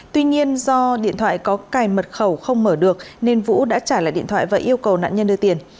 tuy nhiên do điện thoại có cài mật khẩu không mở được nên vũ đã trả lại điện thoại và yêu cầu nạn nhân đưa tiền